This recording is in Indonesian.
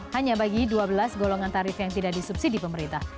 hanya bagi dua belas golongan tarif yang tidak disubsidi pemerintah